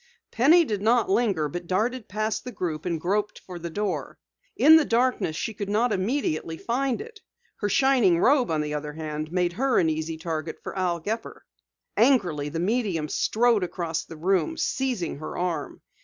Penny did not linger, but darted past the group and groped for the door. In the darkness she could not immediately find it. Her shining robe, on the other hand, made her an easy target for Al Gepper. Angrily the medium strode across the room, seizing her arm.